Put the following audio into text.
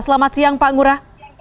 selamat siang pak ngurah